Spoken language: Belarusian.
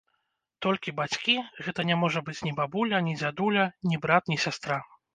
Толькі бацькі, гэта не можа быць ні бабуля, ні дзядуля, ні брат, ні сястра.